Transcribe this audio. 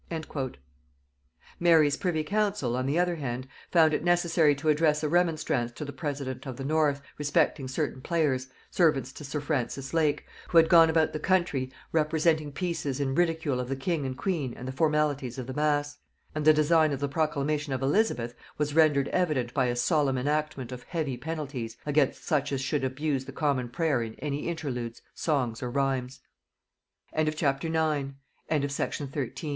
Mary's privy council, on the other hand, found it necessary to address a remonstrance to the president of the North, respecting certain players, servants to sir Francis Lake, who had gone about the country representing pieces in ridicule of the king and queen and the formalities of the mass; and the design of the proclamation of Elizabeth was rendered evident by a solemn enactment of heavy penalties against such as should abuse the Common prayer in any interludes, songs, or rhymes. [Note 42: Warton's "History of English Poetry," vol. iii. p. 202 et seq.] CHAPTER X. 1559. Meeting of parliament. P